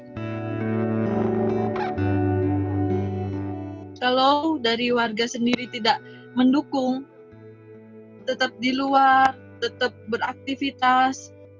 kalau dari warga sendiri tidak mendukung tetap di luar tetap beraktivitas